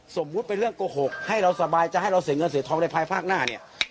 สมมุติเป็นเรื่องโกหกให้เราสบายจะให้เราเสียเงินเสียทองในภายภาคหน้าเนี่ย